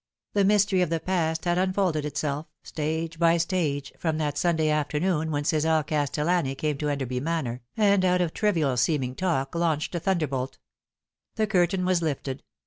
The mystery of the past had unfolded itself, stage by stage, from that Sunday afternoon when Cesar Cas tellani came to Enderby Manor, and out of trivial seeming talk launched a thunderbolt. The curtain was lifted.